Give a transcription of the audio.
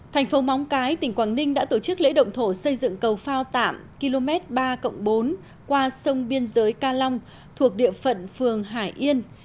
thành phố móng cái tỉnh quảng ninh đã tổ chức lễ động thổ xây dựng cầu phao tạm km ba bốn qua sông biên giới ca long thuộc địa phận phường hải yên